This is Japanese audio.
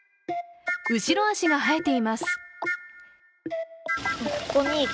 後ろ足が生えています。